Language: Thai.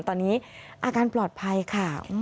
ตอนนี้อาการปลอดภัยค่ะ